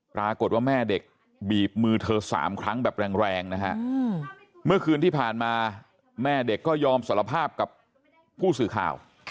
ปรากฏว่าแม่เด็กบีบมือเธอ๓ครั้งแบบแรงนะฮะเมื่อคืนที่ผ่านมาแม่เด็กก็ยอมสารภาพกับผู้สื่อข่าว